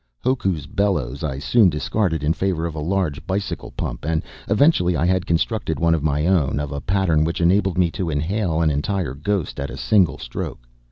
Hoku's bellows I soon discarded in favor of a large sized bicycle pump, and eventually I had constructed one of my own, of a pattern which enabled me to inhale an entire ghost at a single stroke.